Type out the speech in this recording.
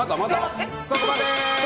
そこまで！